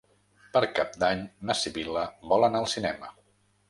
Per Cap d'Any na Sibil·la vol anar al cinema.